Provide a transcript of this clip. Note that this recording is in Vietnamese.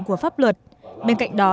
của pháp luật bên cạnh đó